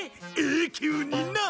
永久にな。